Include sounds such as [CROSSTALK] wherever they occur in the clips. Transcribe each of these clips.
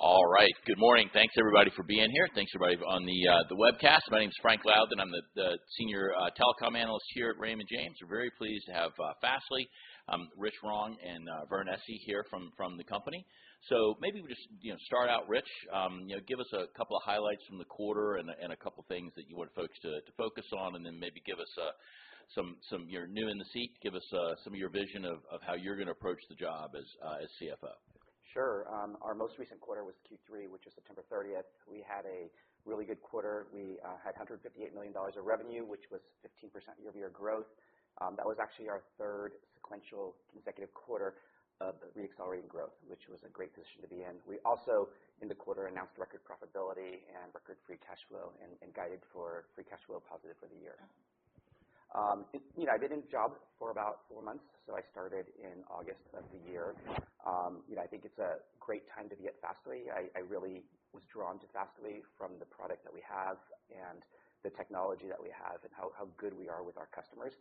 All right. Good morning. Thanks, everybody, for being here. Thanks, everybody, on the webcast. My name's Frank Louthan. I'm the senior telecom analyst here at Raymond James. We're very pleased to have Fastly, Rich Wong, and Vernon Essi here from the company. So maybe we just, you know, start out, Rich. You know, give us a couple of highlights from the quarter and a couple of things that you want folks to focus on, and then maybe give us some you're new in the seat. Give us some of your vision of how you're gonna approach the job as CFO. Sure. Our most recent quarter was Q3, which is September 30th. We had a really good quarter. We had $158 million of revenue, which was 15% year-over-year growth. That was actually our third sequential consecutive quarter of re-accelerating growth, which was a great position to be in. We also, in the quarter, announced record profitability and record free cash flow and guided for free cash flow positive for the year. You know, I've been in the job for about four months, so I started in August of the year. You know, I think it's a great time to be at Fastly. I really was drawn to Fastly from the product that we have and the technology that we have and how good we are with our customers.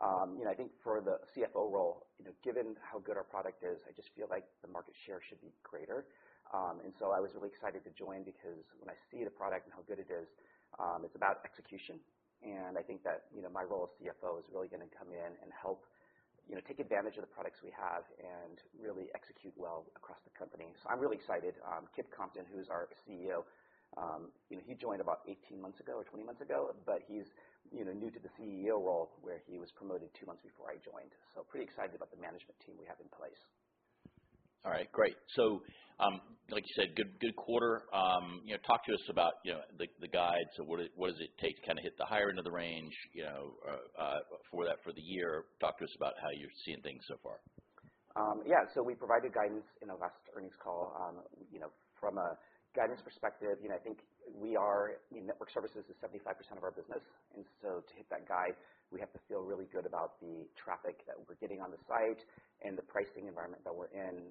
You know, I think for the CFO role, you know, given how good our product is, I just feel like the market share should be greater. And so I was really excited to join because when I see the product and how good it is, it's about execution. And I think that, you know, my role as CFO is really gonna come in and help, you know, take advantage of the products we have and really execute well across the company. So I'm really excited. Kip Compton, who's our CEO, you know, he joined about 18 months ago or 20 months ago, but he's, you know, new to the CEO role where he was promoted two months before I joined. So pretty excited about the management team we have in place. All right. Great. So, like you said, good, good quarter. You know, talk to us about, you know, the guide. So what does it take to kinda hit the higher end of the range, you know, for the year? Talk to us about how you're seeing things so far. Yeah. So we provided guidance in our last earnings call. You know, from a guidance perspective, you know, I think we are in Network Services is 75% of our business. And so to hit that guide, we have to feel really good about the traffic that we're getting on the site and the pricing environment that we're in.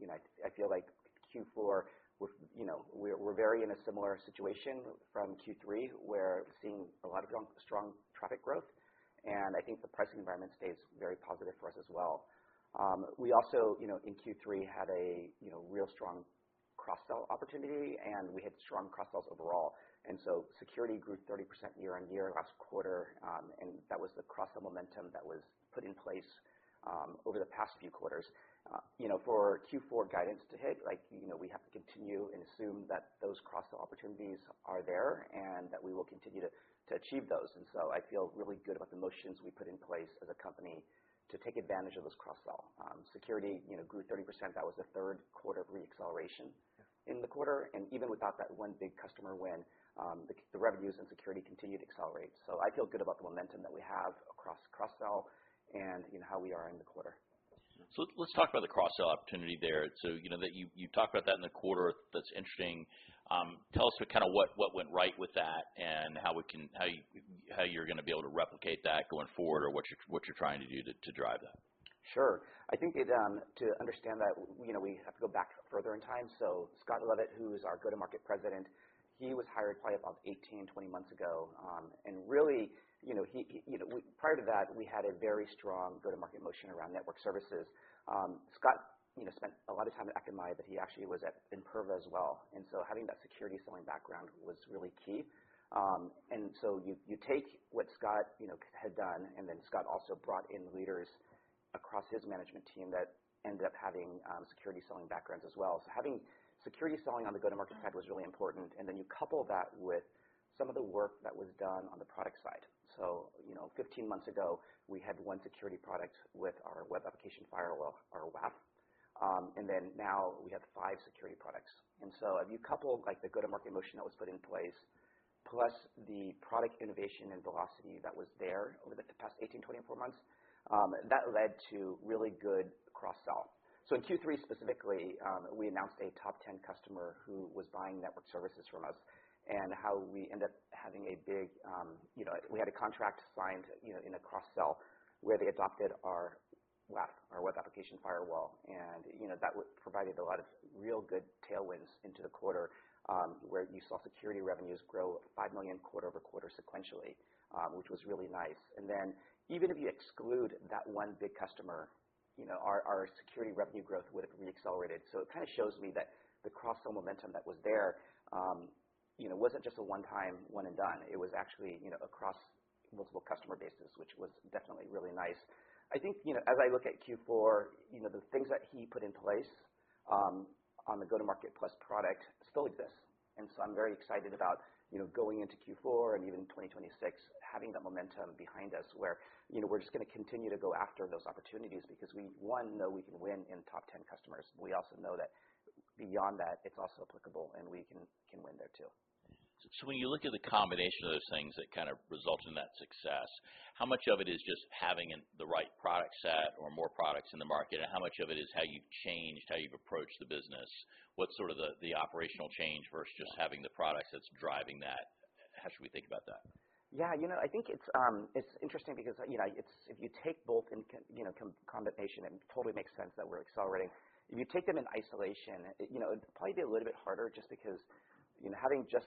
You know, I feel like Q4 we've, you know, we're very in a similar situation from Q3 where we're seeing a lot of strong, strong traffic growth. And I think the pricing environment stays very positive for us as well. We also, you know, in Q3 had a real strong cross-sell opportunity, and we had strong cross-sells overall. And so security grew 30% year-on-year last quarter. And that was the cross-sell momentum that was put in place over the past few quarters. You know, for Q4 guidance to hit, like, you know, we have to continue and assume that those cross-sell opportunities are there and that we will continue to achieve those. So I feel really good about the motions we put in place as a company to take advantage of those cross-sell. Security, you know, grew 30%. That was the third quarter of re-acceleration in the quarter. And even without that one big customer win, the revenues in security continued to accelerate. So I feel good about the momentum that we have across cross-sell and, you know, how we are in the quarter. So let's talk about the cross-sell opportunity there. So, you know, that you talked about that in the quarter. That's interesting. Tell us what kinda what went right with that and how you're gonna be able to replicate that going forward or what you're trying to do to drive that. Sure. I think, to understand that, you know, we have to go back further in time, so Scott Lovett, who is our go-to-market president, he was hired probably about 18 months -20 months ago, and really, you know, he you know, prior to that, we had a very strong go-to-market motion around Network Services. Scott, you know, spent a lot of time at Akamai, but he actually was at Imperva as well, and so having that security selling background was really key, and so you take what Scott, you know, had done, and then Scott also brought in leaders across his management team that ended up having security selling backgrounds as well, so having security selling on the go-to-market side was really important, and then you couple that with some of the work that was done on the product side. So, you know, 15 months ago, we had one security product with our web application firewall, our WAF. And then now we have five security products. And so if you couple, like, the go-to-market motion that was put in place plus the product innovation and velocity that was there over the past 18 months-24 months, that led to really good cross-sell. So in Q3 specifically, we announced a top 10 customer who was buying Network Services from us and how we ended up having a big, you know, we had a contract signed, you know, in a cross-sell where they adopted our WAF, our web application firewall. And, you know, that provided a lot of real good tailwinds into the quarter, where you saw security revenues grow $5 million quarter-over-quarter sequentially, which was really nice. And then even if you exclude that one big customer, you know, our security revenue growth would've re-accelerated. So it kinda shows me that the cross-sell momentum that was there, you know, wasn't just a one-time one-and-done. It was actually, you know, across multiple customer bases, which was definitely really nice. I think, you know, as I look at Q4, you know, the things that he put in place, on the go-to-market plus product still exist. And so I'm very excited about, you know, going into Q4 and even 2026 having that momentum behind us where, you know, we're just gonna continue to go after those opportunities because we, one, know we can win in top 10 customers. We also know that beyond that, it's also applicable, and we can win there too. When you look at the combination of those things that kinda result in that success, how much of it is just having the right product set or more products in the market, and how much of it is how you've changed, how you've approached the business? What's sort of the operational change versus just having the products that's driving that? How should we think about that? Yeah. You know, I think it's interesting because, you know, it's if you take both in combination, it totally makes sense that we're accelerating. If you take them in isolation, you know, it'd probably be a little bit harder just because, you know, having just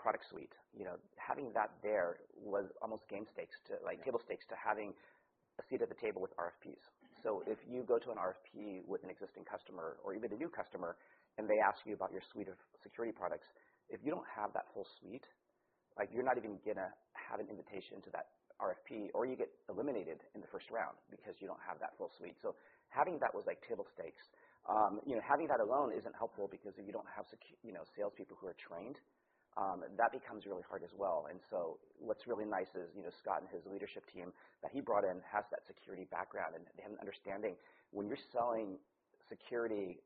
the full product suite, you know, having that, it was almost game stakes to, like, table stakes to having a seat at the table with RFPs. So if you go to an RFP with an existing customer or even a new customer and they ask you about your suite of security products, if you don't have that full suite, like, you're not even gonna have an invitation to that RFP, or you get eliminated in the first round because you don't have that full suite. So having that was like table stakes. You know, having that alone isn't helpful because if you don't have security, you know, salespeople who are trained, that becomes really hard as well. And so what's really nice is, you know, Scott and his leadership team that he brought in has that security background, and they have an understanding when you're selling security.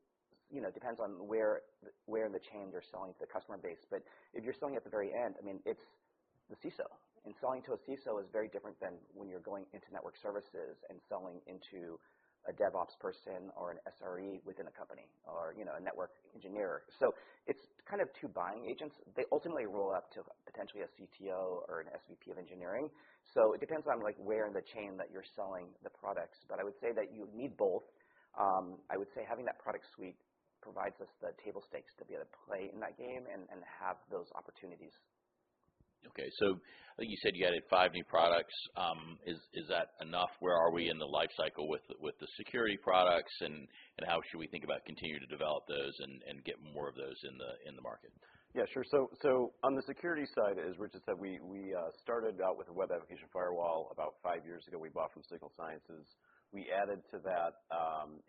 You know, it depends on where in the chain you're selling to the customer base. But if you're selling at the very end, I mean, it's the CISO. And selling to a CISO is very different than when you're going into Network Services and selling into a DevOps person or an SRE within a company or, you know, a network engineer. So it's kind of two buying agents. They ultimately roll up to potentially a CTO or an SVP of engineering. So it depends on, like, where in the chain that you're selling the products. But I would say that you need both. I would say having that product suite provides us the table stakes to be able to play in that game and have those opportunities. Okay. So like you said, you added five new products. Is that enough? Where are we in the life cycle with the security products, and how should we think about continuing to develop those and get more of those in the market? Yeah. Sure. So on the security side, as Rich had said, we started out with a web application firewall about five years ago. We bought from Signal Sciences. We added to that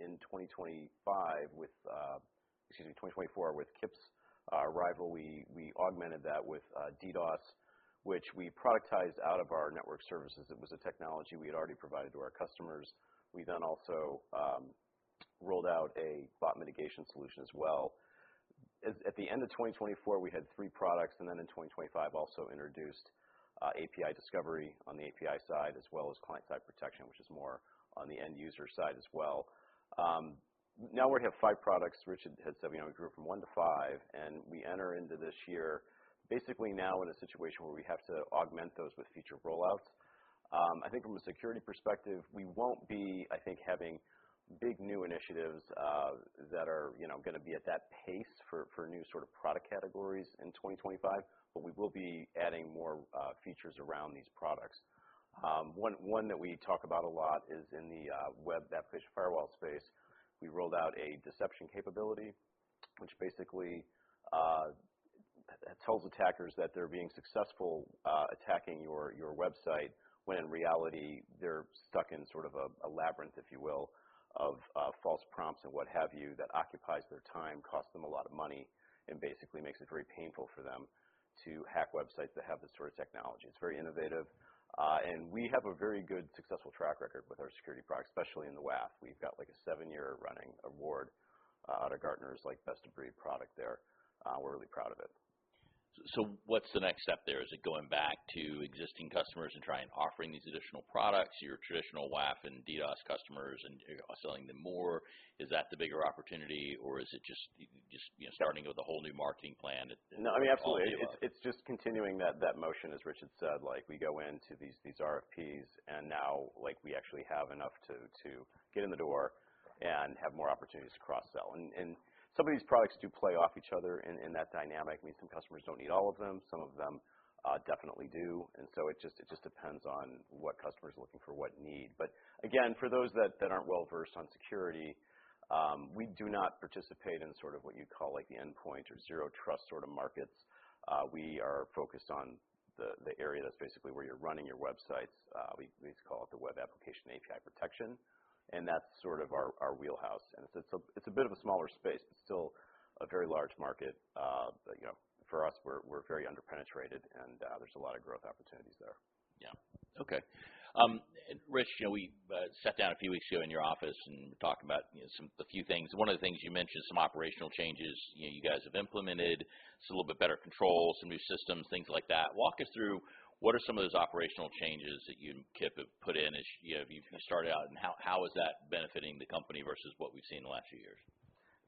in 2024 with Kip's arrival. We augmented that with DDoS, which we productized out of our Network Services. It was a technology we had already provided to our customers. We then also rolled out a bot mitigation solution as well. As at the end of 2024, we had three products, and then in 2025 also introduced API Discovery on the API side as well as Client-Side Protection, which is more on the end-user side as well. Now we have five products. Rich had said, you know, we grew from one to five, and we enter into this year basically now in a situation where we have to augment those with feature rollouts. I think from a security perspective, we won't be, I think, having big new initiatives, that are, you know, gonna be at that pace for new sort of product categories in 2025, but we will be adding more features around these products. One that we talk about a lot is in the web application firewall space. We rolled out a deception capability, which basically tells attackers that they're being successful attacking your website when in reality they're stuck in sort of a labyrinth, if you will, of false prompts and what have you that occupies their time, costs them a lot of money, and basically makes it very painful for them to hack websites that have this sort of technology. It's very innovative, and we have a very good successful track record with our security product, especially in the WAF. We've got like a seven-year running award out of Gartner's like best-of-breed product there. We're really proud of it. So, what's the next step there? Is it going back to existing customers and trying offering these additional products, your traditional WAF and DDoS customers, and, you know, selling them more? Is that the bigger opportunity, or is it just, you know, starting with a whole new marketing plan? No, I mean, absolutely. Or is it? It's just continuing that motion, as Rich had said. Like, we go into these RFPs, and now, like, we actually have enough to get in the door and have more opportunities to cross-sell, and some of these products do play off each other in that dynamic. I mean, some customers don't need all of them. Some of them definitely do, and so it just depends on what customers are looking for, what need, but again, for those that aren't well-versed on security, we do not participate in sort of what you'd call like the endpoint or Zero Trust sort of markets. We are focused on the area that's basically where you're running your websites. We call it the Web Application and API protection, and that's sort of our wheelhouse. It's a bit of a smaller space, but still a very large market. You know, for us, we're very under-penetrated, and there's a lot of growth opportunities there. Yeah. Okay. Rich, you know, we sat down a few weeks ago in your office and talked about, you know, some a few things. One of the things you mentioned, some operational changes, you know, you guys have implemented. It's a little bit better control, some new systems, things like that. Walk us through what are some of those operational changes that you and Kip have put in as, you know, you started out, and how is that benefiting the company versus what we've seen in the last few years?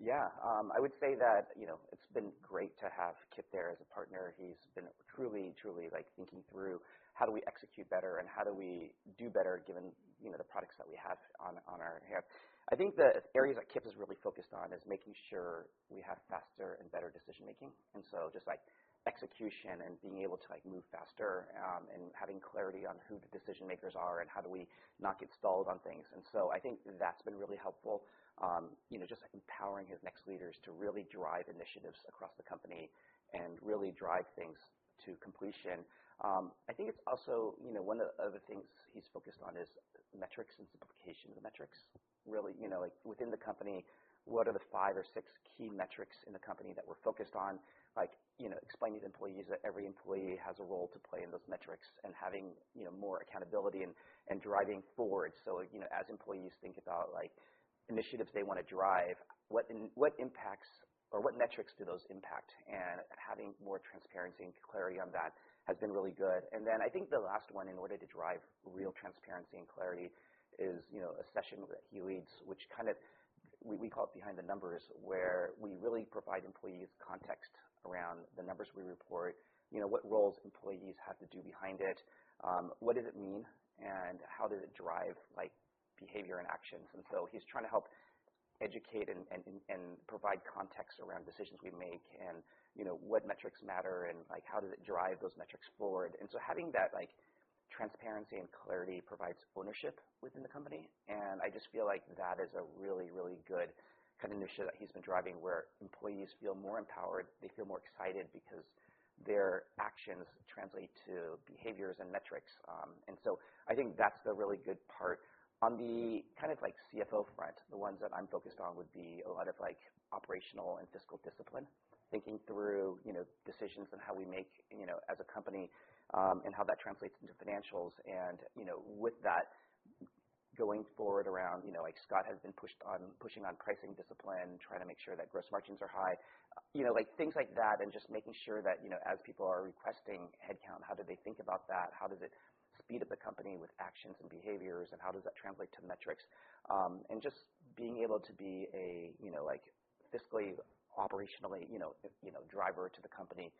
Yeah. I would say that, you know, it's been great to have Kip there as a partner. He's been truly, truly, like, thinking through how do we execute better and how do we do better given, you know, the products that we have on our hands. I think the areas that Kip has really focused on is making sure we have faster and better decision-making. And so just, like, execution and being able to, like, move faster, and having clarity on who the decision-makers are and how do we not get stalled on things. And so I think that's been really helpful, you know, just empowering his next leaders to really drive initiatives across the company and really drive things to completion. I think it's also, you know, one of the other things he's focused on is metrics and simplification of the metrics. Really, you know, like, within the company, what are the five or six key metrics in the company that we're focused on? Like, you know, explaining to employees that every employee has a role to play in those metrics and having, you know, more accountability and driving forward. So, you know, as employees think about, like, initiatives they wanna drive, what impacts or what metrics do those impact? And having more transparency and clarity on that has been really good. And then I think the last one, in order to drive real transparency and clarity, is, you know, a session that he leads, which kind of we call it Behind The Numbers, where we really provide employees context around the numbers we report, you know, what roles employees have to do behind it, what does it mean, and how does it drive, like, behavior and actions. And so he's trying to help educate and provide context around decisions we make and, you know, what metrics matter and, like, how does it drive those metrics forward. And so having that, like, transparency and clarity provides ownership within the company. And I just feel like that is a really, really good kind of initiative that he's been driving where employees feel more empowered. They feel more excited because their actions translate to behaviors and metrics. And so I think that's the really good part. On the kind of, like, CFO front, the ones that I'm focused on would be a lot of, like, operational and fiscal discipline, thinking through, you know, decisions and how we make, you know, as a company, and how that translates into financials. You know, with that, going forward around, you know, like, Scott has been pushed on pushing on pricing discipline, trying to make sure that gross margins are high, you know, like, things like that, and just making sure that, you know, as people are requesting headcount, how do they think about that? How does it speed up the company with actions and behaviors, and how does that translate to metrics? And just being able to be a, you know, like, fiscally, operationally, you know, you know, driver to the company.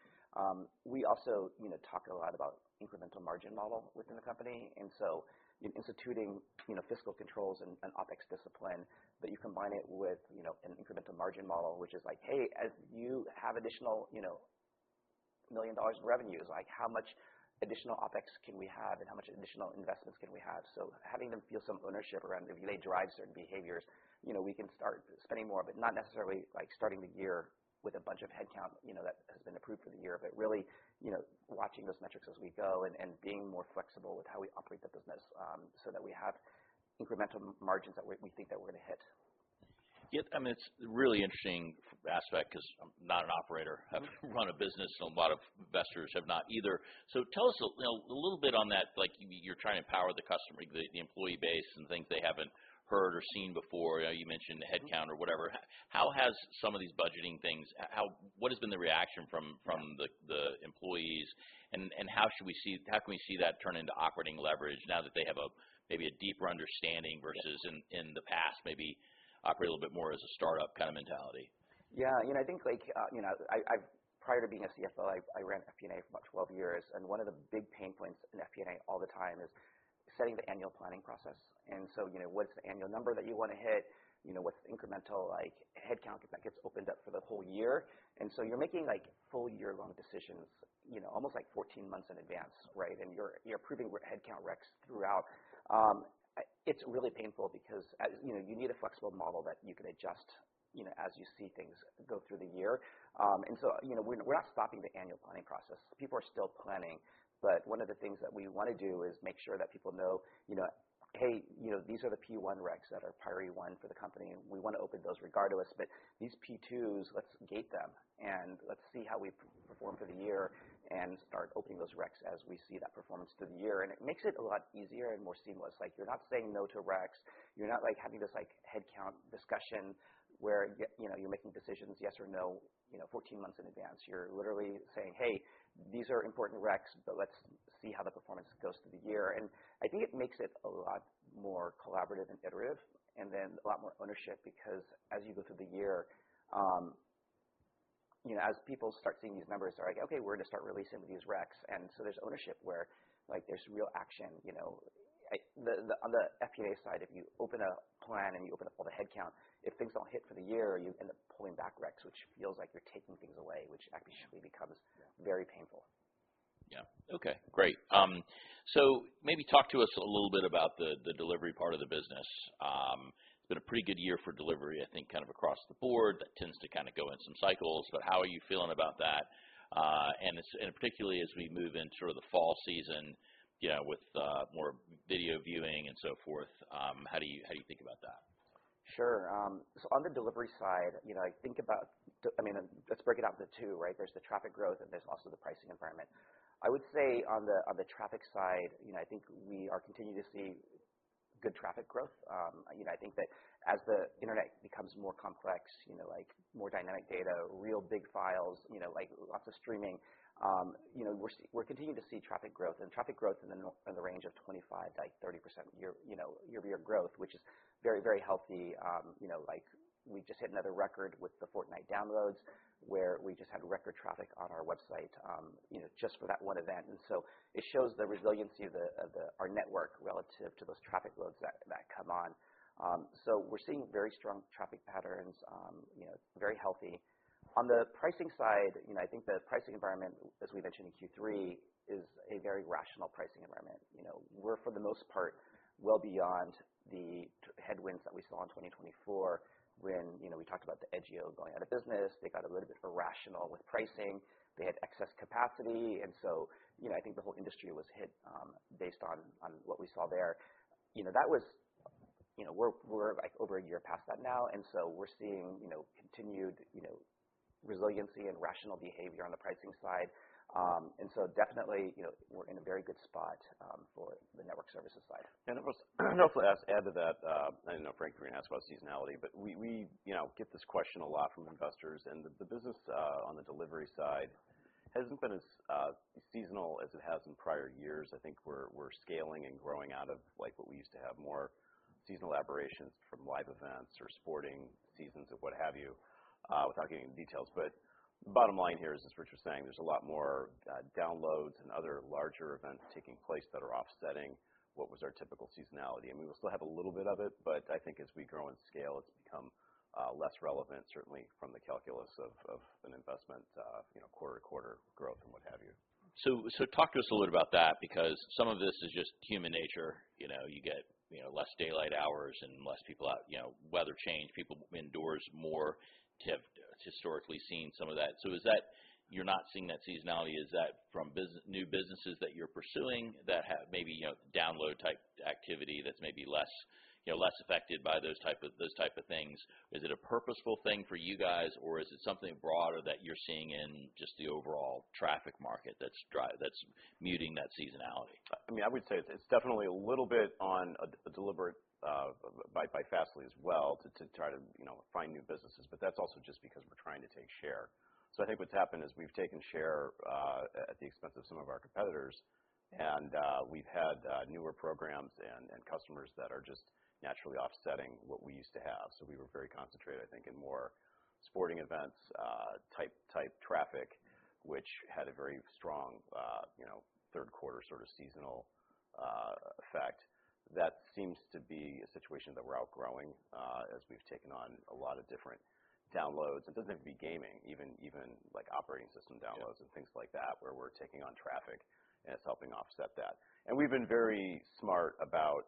We also, you know, talk a lot about incremental margin model within the company. And so, you know, instituting, you know, fiscal controls and OpEx discipline, but you combine it with, you know, an incremental margin model, which is like, "Hey, as you have additional, you know, million dollars in revenues, like, how much additional OpEx can we have and how much additional investments can we have?" So having them feel some ownership around if they drive certain behaviors, you know, we can start spending more, but not necessarily, like, starting the year with a bunch of headcount, you know, that has been approved for the year, but really, you know, watching those metrics as we go and being more flexible with how we operate the business, so that we have incremental margins that we think that we're gonna hit. Yeah. I mean, it's a really interesting aspect 'cause I'm not an operator. I've run a business, and a lot of investors have not either. So tell us a little, you know, a little bit on that, like, you're trying to empower the customer, the employee base and things they haven't heard or seen before. You know, you mentioned the headcount or whatever. How has some of these budgeting things? What has been the reaction from the employees? And how should we see, how can we see that turn into operating leverage now that they have maybe a deeper understanding versus in the past, maybe operate a little bit more as a startup kind of mentality? Yeah. You know, I think, like, you know, I prior to being a CFO, I ran FP&A for about 12 years. And one of the big pain points in FP&A all the time is setting the annual planning process. And so, you know, what's the annual number that you wanna hit? You know, what's the incremental, like, headcount that gets opened up for the whole year? And so you're making, like, full year-long decisions, you know, almost like 14 months in advance, right? And you're approving headcount reqs throughout. It's really painful because, as you know, you need a flexible model that you can adjust, you know, as you see things go through the year. And so, you know, we're not stopping the annual planning process. People are still planning. But one of the things that we wanna do is make sure that people know, you know, "Hey, you know, these are the P1 reqs that are priority one for the company. We wanna open those regardless, but these P2s, let's gate them and let's see how we perform for the year and start opening those reqs as we see that performance through the year." And it makes it a lot easier and more seamless. Like, you're not saying no to reqs. You're not, like, having this, like, headcount discussion where you, you know, you're making decisions yes or no, you know, 14 months in advance. You're literally saying, "Hey, these are important reqs, but let's see how the performance goes through the year." And I think it makes it a lot more collaborative and iterative and then a lot more ownership because as you go through the year, you know, as people start seeing these numbers, they're like, "Okay, we're gonna start releasing these reqs." And so there's ownership where, like, there's real action, you know. On the FP&A side, if you open a plan and you open up all the headcount, if things don't hit for the year, you end up pulling back reqs, which feels like you're taking things away, which actually becomes very painful. Yeah. Okay. Great. So maybe talk to us a little bit about the delivery part of the business. It's been a pretty good year for delivery, I think, kind of across the board. That tends to kind of go in some cycles, but how are you feeling about that, and it's particularly as we move into sort of the fall season, you know, with more video viewing and so forth, how do you think about that? Sure. So on the delivery side, you know, I think about the—I mean, let's break it out into two, right? There's the traffic growth, and there's also the pricing environment. I would say on the traffic side, you know, I think we are continuing to see good traffic growth. You know, I think that as the internet becomes more complex, you know, like, more dynamic data, real big files, you know, like, lots of streaming, you know, we're continuing to see traffic growth. And traffic growth in the range of 25%-30% year-over-year, which is very, very healthy. You know, like, we just hit another record with the Fortnite downloads where we just had record traffic on our website, you know, just for that one event. And so it shows the resiliency of our network relative to those traffic loads that come on. So we're seeing very strong traffic patterns, you know, very healthy. On the pricing side, you know, I think the pricing environment, as we mentioned in Q3, is a very rational pricing environment. You know, we're, for the most part, well beyond the headwinds that we saw in 2024 when, you know, we talked about Edgio going out of business. They got a little bit irrational with pricing. They had excess capacity. And so, you know, I think the whole industry was hit, based on what we saw there. You know, that was, you know, we're like over a year past that now. And so we're seeing, you know, continued resiliency and rational behavior on the pricing side. And so definitely, you know, we're in a very good spot for the Network Services side. And I'll just add to that. I know Frank was gonna ask about seasonality, but we, you know, get this question a lot from investors. And the business, on the delivery side hasn't been as seasonal as it has in prior years. I think we're scaling and growing out of, like, what we used to have more seasonal aberrations from live events or sporting seasons or what have you. Without getting into details, but bottom line here is, as Rich was saying, there's a lot more downloads and other larger events taking place that are offsetting what was our typical seasonality. And we will still have a little bit of it, but I think as we grow in scale, it's become less relevant, certainly, from the calculus of an investment, you know, quarter-to-quarter growth and what have you. So, talk to us a little bit about that because some of this is just human nature. You know, you get, you know, less daylight hours and fewer people out, you know, weather change, people indoors more. Traffic has historically seen some of that. So, is that you're not seeing that seasonality? Is that from new businesses that you're pursuing that have maybe, you know, download-type activity that's maybe less, you know, less affected by those types of things? Is it a purposeful thing for you guys, or is it something broader that you're seeing in just the overall traffic market that's driving that muting that seasonality? I mean, I would say it's definitely a little bit of a deliberate by Fastly as well to try to, you know, find new businesses, but that's also just because we're trying to take share, so I think what's happened is we've taken share at the expense of some of our competitors, and we've had newer programs and customers that are just naturally offsetting what we used to have, so we were very concentrated, I think, in more sporting events type traffic, which had a very strong, you know, third quarter sort of seasonal effect. That seems to be a situation that we're outgrowing, as we've taken on a lot of different downloads. It doesn't have to be gaming, even, like, operating system downloads and things like that where we're taking on traffic, and it's helping offset that. And we've been very smart about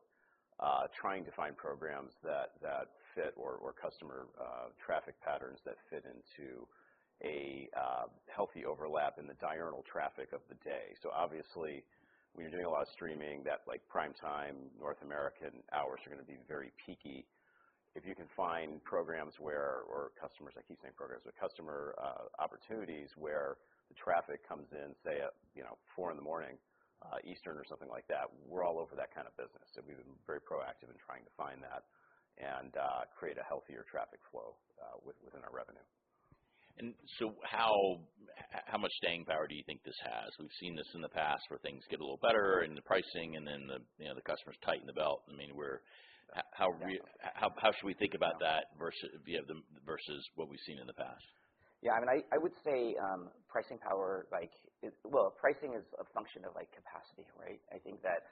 trying to find programs that fit or customer traffic patterns that fit into a healthy overlap in the diurnal traffic of the day. So obviously, when you're doing a lot of streaming, like, prime-time North American hours are gonna be very peaky. If you can find programs where or customers—I keep saying programs or customer—opportunities where the traffic comes in, say, at, you know, 4:00 A.M., Eastern or something like that, we're all over that kind of business. So we've been very proactive in trying to find that and create a healthier traffic flow within our revenue. How much staying power do you think this has? We've seen this in the past where things get a little better in the pricing, and then, you know, the customers tighten the belt. I mean, how should we think about that versus, you know, the versus what we've seen in the past? Yeah. I mean, I would say pricing power. Like, well, pricing is a function of, like, capacity, right? I think that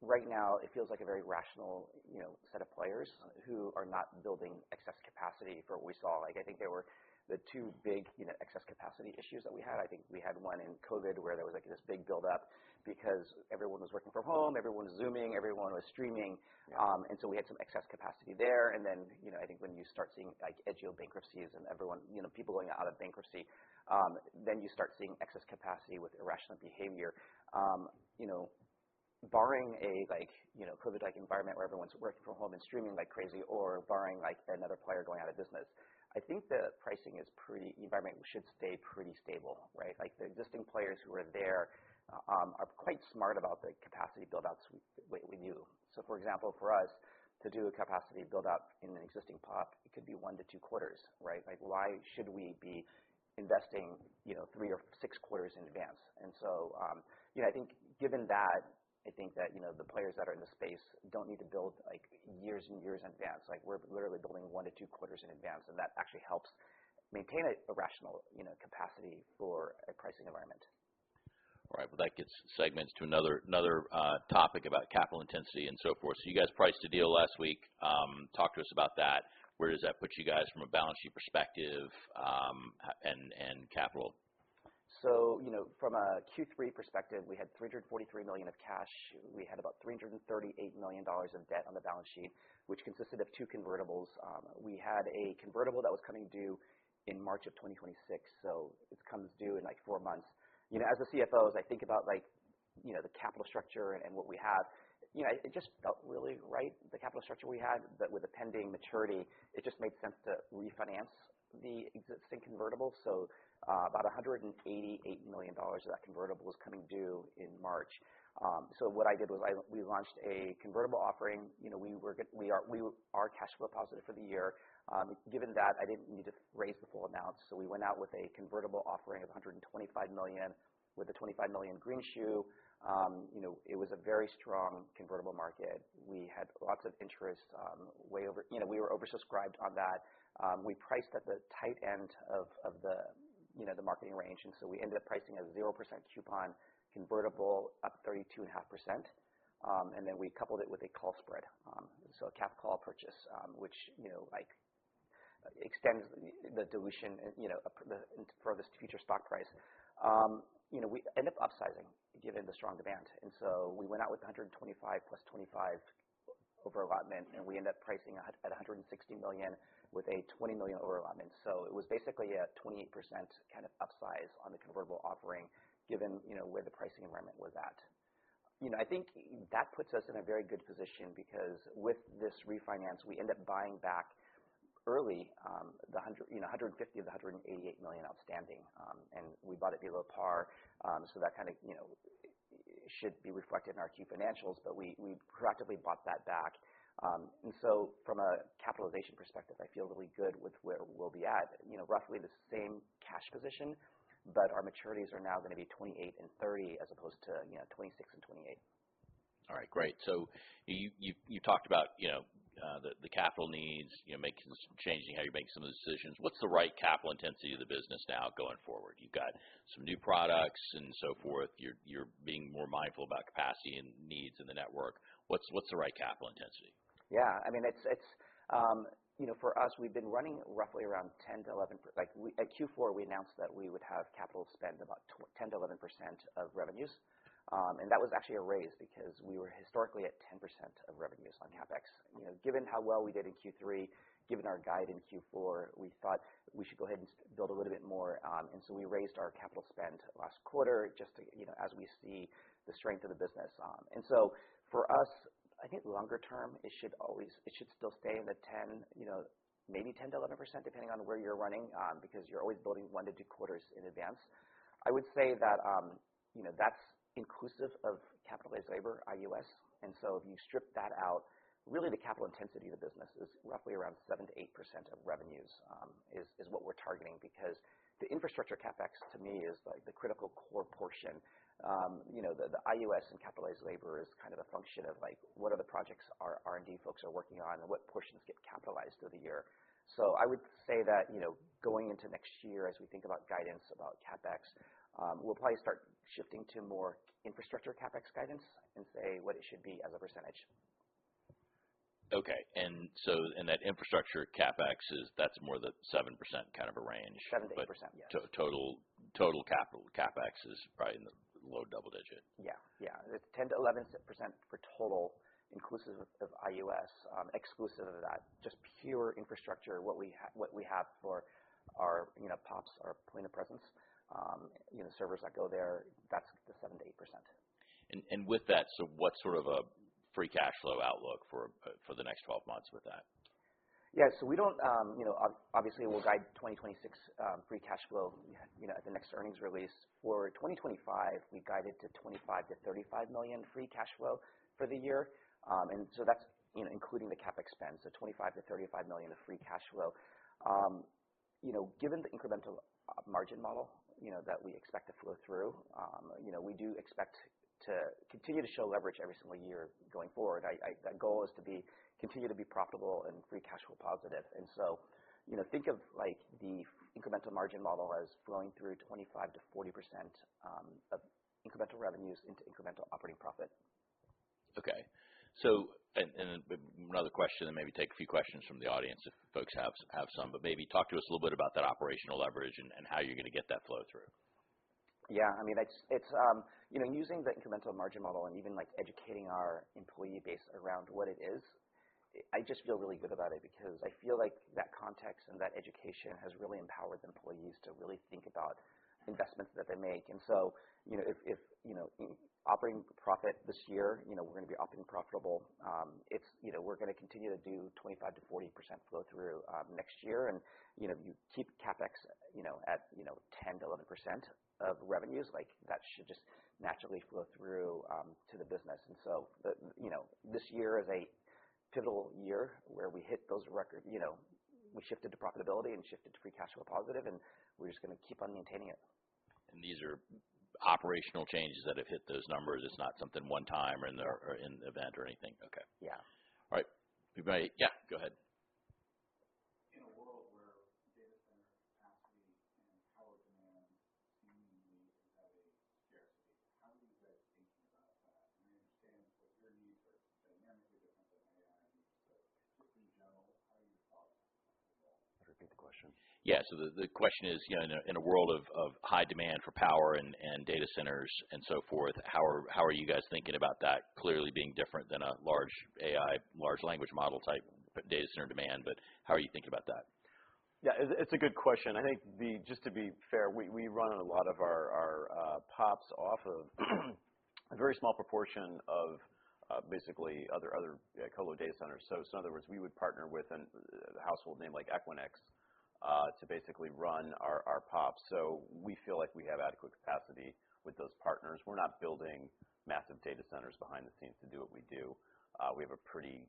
right now it feels like a very rational, you know, set of players who are not building excess capacity for what we saw. Like, I think there were the two big, you know, excess capacity issues that we had. I think we had one in COVID where there was, like, this big buildup because everyone was working from home, everyone was Zooming, everyone was streaming, and so we had some excess capacity there. Then, you know, I think when you start seeing, like, Edgio bankruptcies and everyone, you know, people going out of bankruptcy, then you start seeing excess capacity with irrational behavior. You know, barring a, like, you know, COVID-like environment where everyone's working from home and streaming like crazy or barring, like, another player going out of business, I think the pricing is pretty the environment should stay pretty stable, right? Like, the existing players who are there are quite smart about the capacity buildups we do. So for example, for us, to do a capacity buildup in an existing PoP, it could be one to two quarters, right? Like, why should we be investing, you know, three or six quarters in advance? And so, you know, I think given that, I think that, you know, the players that are in the space don't need to build, like, years and years in advance. Like, we're literally building one to two quarters in advance, and that actually helps maintain a rational, you know, capacity for a pricing environment. All right. Well, that gets us to another topic about capital intensity and so forth. So you guys priced a deal last week. Talk to us about that. Where does that put you guys from a balance sheet perspective, and capital? So, you know, from a Q3 perspective, we had $343 million of cash. We had about $338 million of debt on the balance sheet, which consisted of two convertibles. We had a convertible that was coming due in March of 2026. So it comes due in, like, four months. You know, as the CFO, I think about, like, you know, the capital structure and what we have. You know, it just felt really right, the capital structure we had, but with a pending maturity, it just made sense to refinance the existing convertible. So, about $188 million of that convertible was coming due in March. So what I did was we launched a convertible offering. You know, we are cash flow positive for the year. Given that, I didn't need to raise the full amount. So we went out with a convertible offering of $125 million with a $25 million Greenshoe. You know, it was a very strong convertible market. We had lots of interest, way over. You know, we were oversubscribed on that. We priced at the tight end of the you know, the marketing range. And so we ended up pricing a 0% coupon convertible up 32.5%. And then we coupled it with a call spread, so a capped call purchase, which, you know, like, extends the dilution and, you know, for the future stock price. You know, we ended up upsizing given the strong demand. And so we went out with 125 plus 25 over-allotment, and we ended up pricing at $160 million with a $20 million over-allotment. So it was basically a 28% kind of upsize on the convertible offering given, you know, where the pricing environment was at. You know, I think that puts us in a very good position because with this refinance, we end up buying back early the $100, you know, $150 of the $188 million outstanding. And we bought it below par. So that kind of, you know, should be reflected in our key financials, but we proactively bought that back. And so from a capitalization perspective, I feel really good with where we'll be at, you know, roughly the same cash position, but our maturities are now gonna be 2028 and 2030 as opposed to, you know, 2026 and 2028. All right. Great. So you talked about, you know, the capital needs, you know, making some changing how you're making some of the decisions. What's the right capital intensity of the business now going forward? You've got some new products and so forth. You're being more mindful about capacity and needs in the network. What's the right capital intensity? Yeah. I mean, it's, it's, you know, for us, we've been running roughly around 10%-11%, like, we at Q4, we announced that we would have capital spend about 10%-11% of revenues. That was actually a raise because we were historically at 10% of revenues on CapEx. You know, given how well we did in Q3, given our guide in Q4, we thought we should go ahead and build a little bit more. We raised our capital spend last quarter just to, you know, as we see the strength of the business. For us, I think longer term, it should always, it should still stay in the 10, you know, maybe 10%-11% depending on where you're running, because you're always building one to two quarters in advance. I would say that, you know, that's inclusive of capital-based labor, IUS. And so if you strip that out, really, the capital intensity of the business is roughly around 7%-8% of revenues, is what we're targeting because the infrastructure CapEx, to me, is, like, the critical core portion. You know, the IUS and capitalized labor is kind of a function of, like, what are the projects our R&D folks are working on and what portions get capitalized through the year. So I would say that, you know, going into next year, as we think about guidance about CapEx, we'll probably start shifting to more infrastructure CapEx guidance and say what it should be as a percentage. Okay. And so that infrastructure CapEx is. That's more the 7% kind of a range. 7%-8%, yes. But total capital CapEx is probably in the low double digit. Yeah. Yeah. It's 10%-11% for total, inclusive of IUS, exclusive of that. Just pure infrastructure, what we have for our, you know, PoPs or point of presence, you know, servers that go there, that's the 7%-8%. With that, so what sort of a free cash flow outlook for the next 12 months with that? Yeah. So we don't, you know, obviously, we'll guide 2026 free cash flow, you know, at the next earnings release. For 2025, we guided to $25-35 million free cash flow for the year. And so that's, you know, including the CapEx spend, so $25-35 million of free cash flow. You know, given the incremental margin model, you know, that we expect to flow through, you know, we do expect to continue to show leverage every single year going forward. I that goal is to continue to be profitable and free cash flow positive. And so, you know, think of, like, the incremental margin model as flowing through 25%-40% of incremental revenues into incremental operating profit. Okay. So another question and maybe take a few questions from the audience if folks have some, but maybe talk to us a little bit about that operational leverage and how you're gonna get that flow through. Yeah. I mean, it's you know, using the incremental margin model and even, like, educating our employee base around what it is, I just feel really good about it because I feel like that context and that education has really empowered employees to really think about investments that they make. And so, you know, if you know, operating profit this year, you know, we're gonna be operating profitable, it's you know, we're gonna continue to do 25%-40% flow through next year. And you know, if you keep CapEx you know at you know 10%-11% of revenues, like, that should just naturally flow through to the business. And so the, you know, this year is a pivotal year where we hit those record, you know, we shifted to profitability and shifted to free cash flow positive, and we're just gonna keep on maintaining it. These are operational changes that have hit those numbers. It's not something one time or in the event or anything. Okay. Yeah. All right. You've got a yeah. Go ahead. [AUDIO DISTORTION] Can you repeat the question? Yeah. So the question is, you know, in a world of high demand for power and data centers and so forth, how are you guys thinking about that clearly being different than a large AI, large language model type data center demand? But how are you thinking about that? Yeah. It's a good question. I think, just to be fair, we run on a lot of our PoPs off of a very small proportion of, basically other co-lo data centers. So in other words, we would partner with a household name like Equinix, to basically run our PoPs. So we feel like we have adequate capacity with those partners. We're not building massive data centers behind the scenes to do what we do. We have a pretty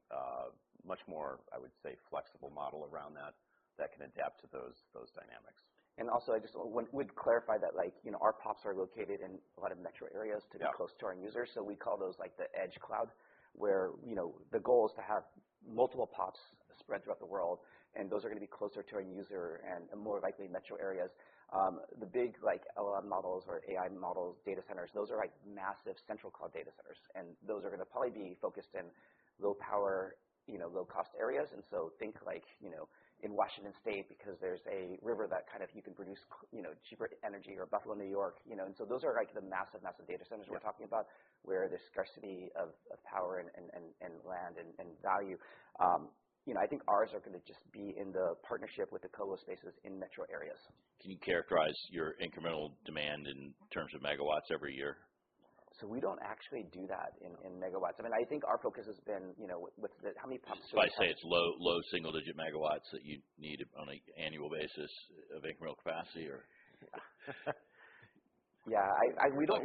much more, I would say, flexible model around that that can adapt to those dynamics. And also, I just wanted to clarify that, like, you know, our PoPs are located in a lot of metro areas to be close to our users. Yeah. So we call those, like, the edge cloud where, you know, the goal is to have multiple PoPs spread throughout the world, and those are gonna be closer to our user and more likely metro areas. The big, like, LLM models or AI models, data centers, those are, like, massive central cloud data centers, and those are gonna probably be focused in low power, you know, low-cost areas. So think, like, you know, in Washington State because there's a river that kind of you can produce, you know, cheaper energy or Buffalo, New York, you know. So those are, like, the massive data centers we're talking about where there's scarcity of power and land and value, you know. I think ours are gonna just be in the partnership with the colo spaces in metro areas. Can you characterize your incremental demand in terms of megawatts every year? So we don't actually do that in megawatts. I mean, I think our focus has been, you know, with how many PoPs do we have? So I say it's low, low single-digit megawatts that you need on an annual basis of incremental capacity, or? Yeah. We don't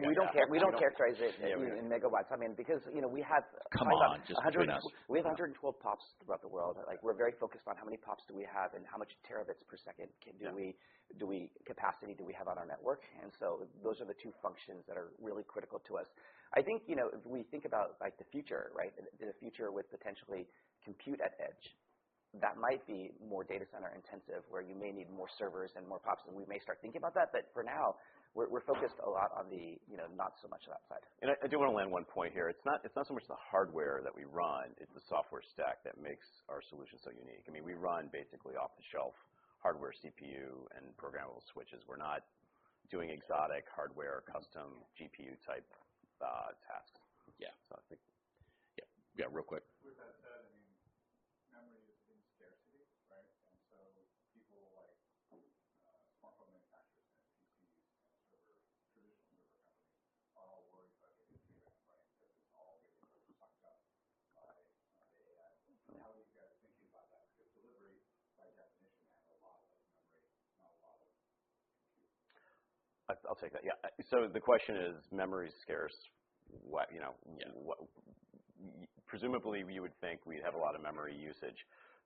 characterize it in megawatts. I mean, because, you know, we have a hundred. Come on. Just between us. We have 112 PoPs throughout the world. Like, we're very focused on how many PoPs do we have and how much terabits per second capacity do we have on our network. And so those are the two functions that are really critical to us. I think, you know, if we think about, like, the future, right, the future with potentially compute at edge, that might be more data center intensive where you may need more servers and more PoPs, and we may start thinking about that. But for now, we're focused a lot on the, you know, not so much of that side. I do wanna land one point here. It's not so much the hardware that we run. It's the software stack that makes our solution so unique. I mean, we run basically off-the-shelf hardware, CPU, and programmable switches. We're not doing exotic hardware, custom GPU-type tasks. Yeah. So I think. Yeah. Yeah. Real quick. [AUDIO DISTORTION] I'll take that. Yeah. So the question is, memory is scarce. What, you know, what presumably you would think we'd have a lot of memory usage.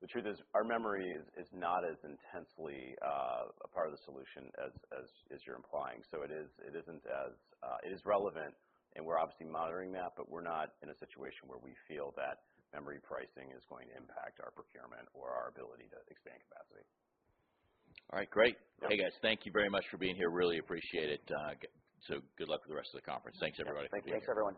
The truth is our memory is not as intensely a part of the solution as you're implying. So it isn't as, it is relevant, and we're obviously monitoring that, but we're not in a situation where we feel that memory pricing is going to impact our procurement or our ability to expand capacity. All right. Great. Hey, guys. Thank you very much for being here. Really appreciate it, so good luck with the rest of the conference. Thanks, everybody. Thank you. Thanks everyone.